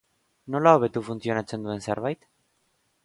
Nola hobetu funtzionatzen duen zerbait?